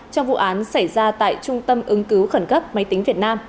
trong vụ án xảy ra tại trung tâm ứng cứu khẩn cấp máy tính việt nam